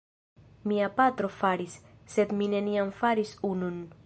Mia patro faris, sed mi neniam faris unun.